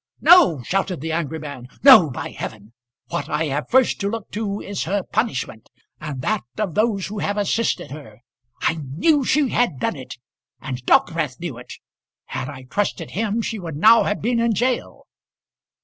"No," shouted the angry man; "no, by heaven. What I have first to look to is her punishment, and that of those who have assisted her. I knew she had done it, and Dockwrath knew it. Had I trusted him, she would now have been in gaol."